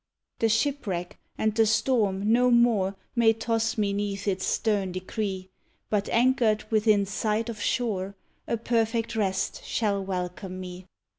The shipwreck and the storm no more May toss me 'neath its stern decree; But anchored within sight of shore A perfect rest shall welcome me!